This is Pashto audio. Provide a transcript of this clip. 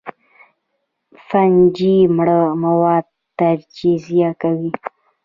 فنجي مړه مواد تجزیه کوي